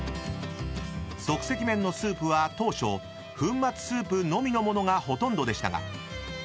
［即席麺のスープは当初粉末スープのみの物がほとんどでしたが］